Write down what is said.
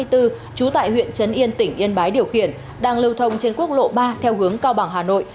trú tại huyện trấn yên tỉnh yên bái điều khiển đang lưu thông trên quốc lộ ba theo hướng cao bằng hà nội